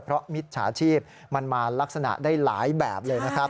เพราะมิจฉาชีพมันมาลักษณะได้หลายแบบเลยนะครับ